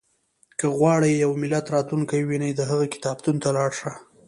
• که غواړې د یو ملت راتلونکی ووینې، د هغوی کتابتون ته لاړ شه.